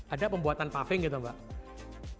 ada pembuatan paving gitu mbak